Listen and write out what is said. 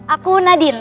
aku nad bunya